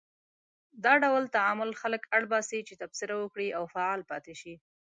دا ډول تعامل خلک اړ باسي چې تبصره وکړي او فعال پاتې شي.